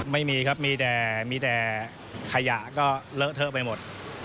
ไม่มีครับมีแต่มีแต่ขยะก็เลอะเทอะไปหมด